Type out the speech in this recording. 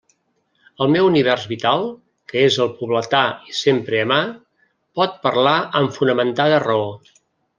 El meu univers vital, que és el pobletà i sempre a mà, pot parlar amb fonamentada raó.